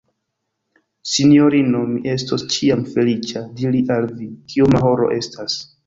Sinjorino, mi estos ĉiam feliĉa, diri al vi, kioma horo estas.